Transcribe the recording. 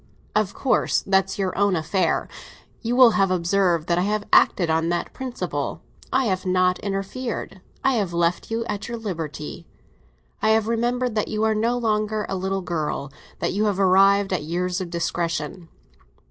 "Of course; that's your own affair. You will have observed that I have acted on that principle. I have not interfered, I have left you your liberty, I have remembered that you are no longer a little girl—that you have arrived at years of discretion."